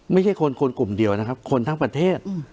ไม่ใช่คนคนกลุ่มเดียวนะครับคนทั้งประเทศ